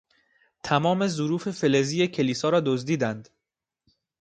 تمام ظروف فلزی کلیسا را دزدیدند.